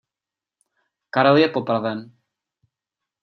Karel je popraven.